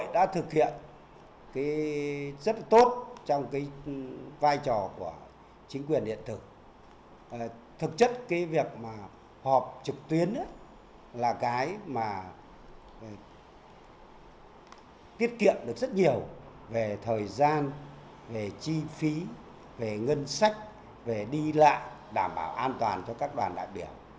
đi lại đảm bảo an toàn cho các đoàn đại biểu